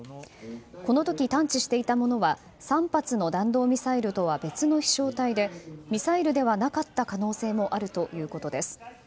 この時、探知していたものは３発の弾道ミサイルとは別の飛翔体でミサイルではなかった可能性もあるということです。